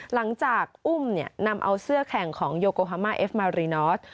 หลังจากอุ้มนำเอาเสื้อแข่งของโยโกฮามาเอฟมารีนอส